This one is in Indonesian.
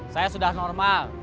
saya sudah normal